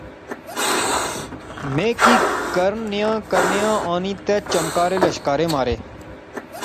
میں کی کرن نیاں کرنیاں آنی تہ چمکارے لشکارے مارے